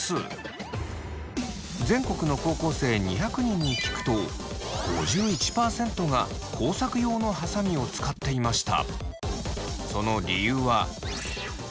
全国の高校生２００人に聞くと５１％が工作用のはさみを使っていました。